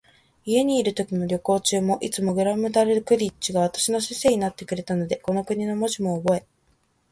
家にいるときも、旅行中も、いつもグラムダルクリッチが私の先生になってくれたので、この国の文字もおぼえ、